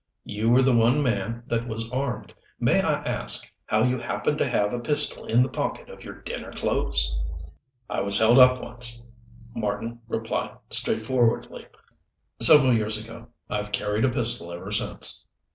"You were the one man that was armed. May I ask how you happened to have a pistol in the pocket of dinner clothes?" "I was held up, once," Marten replied straightforwardly. "Several years ago. I've carried a pistol ever since."